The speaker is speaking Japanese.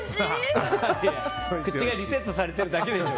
口がリセットされてるだけでしょ。